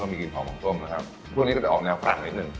ก็มีกลิ่นหอมของส้มนะครับก็เท่านี้ออกแนวฝรั่งนิดนึง